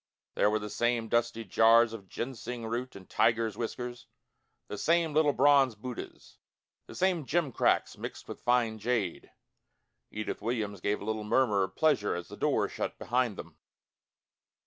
There were the same dusty jars of ginseng root and tigers' whiskers, the same little bronze Buddahs, the same gim cracks mixed with fine jade. Edith Williams gave a little murmur of pleasure as the door shut behind them.